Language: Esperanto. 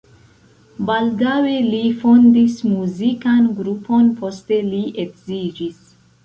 Baldaŭe li fondis muzikan grupon, poste li edziĝis.